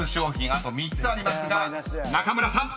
あと３つありますが中村さん］